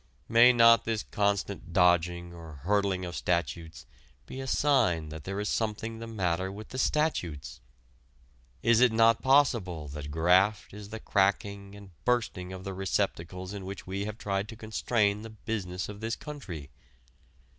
May not this constant dodging or hurdling of statutes be a sign that there is something the matter with the statutes? Is it not possible that graft is the cracking and bursting of the receptacles in which we have tried to constrain the business of this country?